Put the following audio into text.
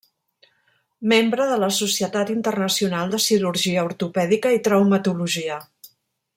Membre de la Societat Internacional de Cirurgia Ortopèdica i Traumatologia.